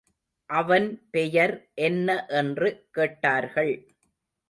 அவன் பெயர் என்ன என்று கேட்டார்கள்.